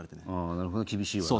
なるほどな厳しいわな。